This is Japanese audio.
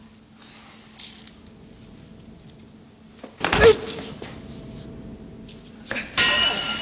うっ！！